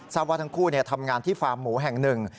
ว่าทั้งคู่ทำงานที่ฟาร์มหมูแห่งหนึ่ง